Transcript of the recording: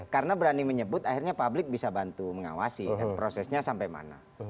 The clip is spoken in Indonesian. karena berani menyebut akhirnya publik bisa bantu mengawasi prosesnya sampai mana